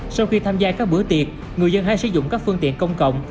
sau khi tham gia các bữa tiệc người dân hãy sử dụng các phương tiện công cộng